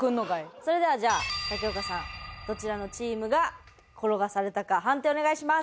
それではじゃあ竹岡さんどちらのチームが転がされたか判定をお願いします。